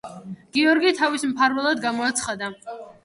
გიორგი თავის მფარველად გამოაცხადა.